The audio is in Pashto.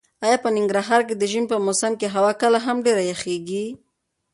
ایا په ننګرهار کې د ژمي په موسم کې هوا کله هم ډېره یخیږي؟